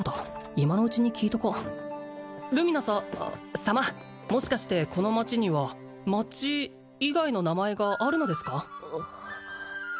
今のうちに聞いとこルミナさ様もしかしてこの街には「街」以外の名前があるのですか？